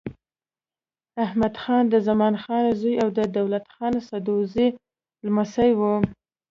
احمدخان د زمان خان زوی او د دولت خان سدوزايي لمسی و.